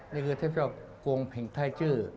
นี่คือเทพเจ้ากวงเพียงไทยเจ้อ